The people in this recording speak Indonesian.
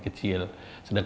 jadi itu adalah yang terakhir